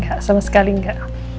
gak sama sekali gak